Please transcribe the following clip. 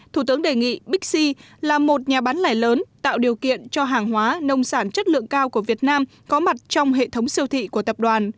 thủ tướng đề nghị bixi là một nhà bán lẻ lớn tạo điều kiện cho hàng hóa nông sản chất lượng cao của việt nam có mặt trong hệ thống siêu thị của tập đoàn